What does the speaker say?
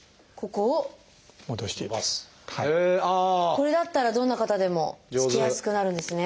これだったらどんな方でも着けやすくなるんですね。